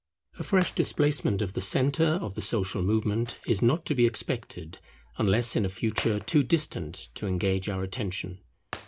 A fresh displacement of the centre of the social movement is not to be expected, unless in a future too distant to engage our attention.